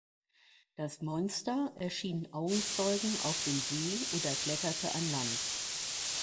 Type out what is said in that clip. Das Monster erschien Augenzeugen auf dem See oder kletterte an Land.